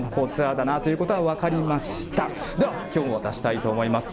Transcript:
ではきょうも出したいと思います。